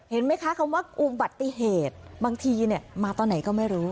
เห็นไหมคะคำว่าอุบัติเหตุบางทีมาตอนไหนก็ไม่รู้